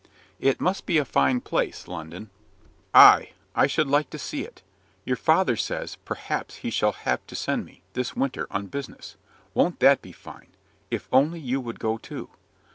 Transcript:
"It must be a fine place, London." "Ay; I should like to see it. Your father says, perhaps he shall have to send me, this winter, on business won't that be fine? If only you would go too."